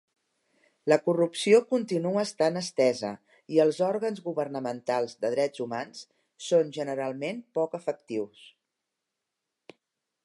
La corrupció continua estant estesa i els òrgans governamentals de drets humans són generalment poc efectius.